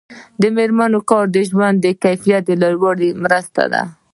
د میرمنو کار د ژوند کیفیت لوړولو مرسته ده.